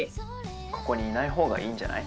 ここにいないほうがいいんじゃない？